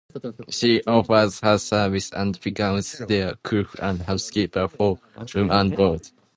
She offers her services and becomes their cook and housekeeper for room and board.